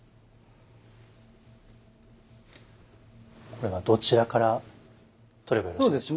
これはどちらから取ればよろしいでしょうか。